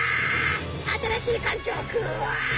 新しい環境クワ！